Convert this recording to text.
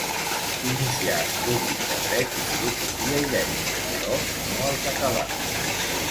Inicià estudis de dret i filosofia i lletres, però no els acabà.